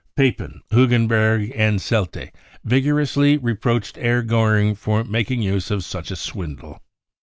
Papen, Hugenberg and Seldte vigorously re proached Herr Goering for making use of such a swindle.